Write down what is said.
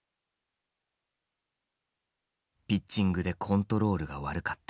「ピッチングでコントロールがわるかった」。